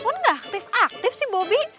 kamu enggak aktif aktif sih bobby